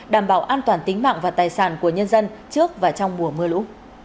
đảm bảo an toàn tính mạng và tài sản của nhân dân trước và trong mùa mưa lũ